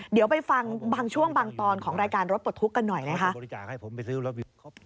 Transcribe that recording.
เดี๋ยวไปฟังบางช่วงบางตอนของรายการรถปลดทุกข์กันหน่อยนะคะ